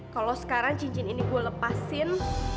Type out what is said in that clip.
kalau sekarang cincin ini gue lepasin